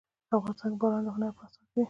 افغانستان کې باران د هنر په اثار کې دي.